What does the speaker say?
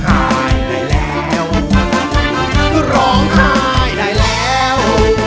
อ่าอยู่แล้ว